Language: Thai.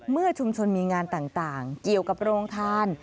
เมื่อชุมชนมีงานต่างเกี่ยวกับโรงทาน